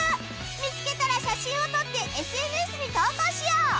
見つけたら写真を撮って ＳＮＳ に投稿しよう！